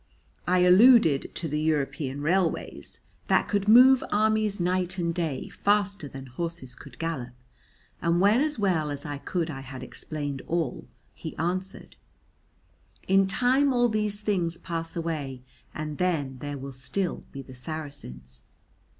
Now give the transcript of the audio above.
I alluded to the European railways that could move armies night and day faster than horses could gallop. And when as well as I could I had explained all, he answered, "In time all these things pass away and then there will still be the Saracens."